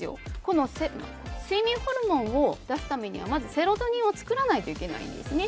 睡眠ホルモンを出すためにはセロトニンを作らないといけないんですね。